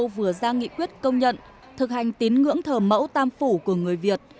vừa ra nghị quyết công nhận thực hành tín ngưỡng thờ mẫu tam phủ của người việt